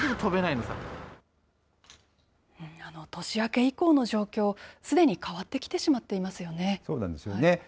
年明け以降の状況、すでに変わってきてしまっていますよね。